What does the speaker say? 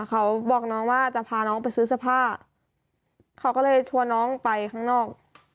เขาบอกน้องว่าจะพาน้องไปซื้อเสื้อผ้าเขาก็เลยชวนน้องไปข้างนอก